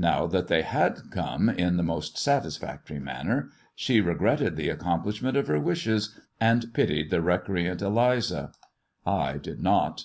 Kc that they had come in the most satisfactory manner, regretted the accomplishment of her wishes, and pitied recreant Eliza. I did not.